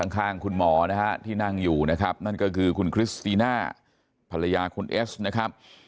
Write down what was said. ข้างคุณหมอนะฮะที่นั่งอยู่นะครับนั่นก็คือคุณคริสติน่าภรรยาคุณเอสนะครับ